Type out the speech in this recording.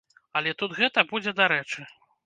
Але тут гэта будзе дарэчы.